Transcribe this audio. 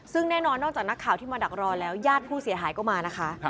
ซึ่งแน่นอนนอกจากนักข่าวที่มาดักรอแล้วญาติผู้เสียหายก็มานะคะ